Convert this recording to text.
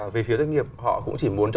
về phía doanh nghiệp họ cũng chỉ muốn cho